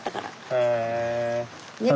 へえ。